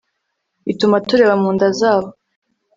ituma tureba munda zabo